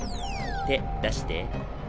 手出して。